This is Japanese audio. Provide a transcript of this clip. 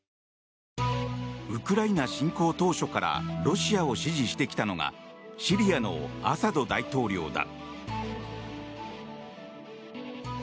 ウクライナ侵攻当初からロシアを支持してきたのがシリアのアサド大統領だ。